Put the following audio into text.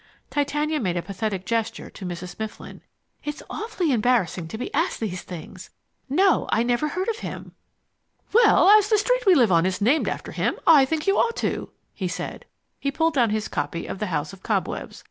Titania made a pathetic gesture to Mrs. Mifflin. "It's awfully embarrassing to be asked these things! No, I never heard of him." "Well, as the street we live on is named after him, I think you ought to," he said. He pulled down his copy of The House of Cobwebs.